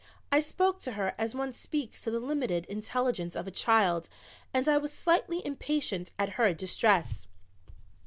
I spoke to her as one speaks to the limited intelligence of a child and I was slightly impatient at her distress.